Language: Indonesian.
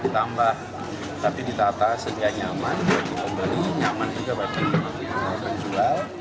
jadi kita beli nyaman juga bagi pemerintah dan jual